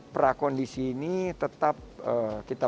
prakondisi ini tetap kita